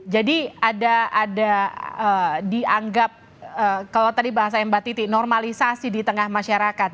jadi ada dianggap kalau tadi bahasanya mbak titi normalisasi di tengah masyarakat